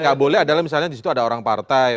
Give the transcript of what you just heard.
tidak boleh adalah misalnya disitu ada orang partai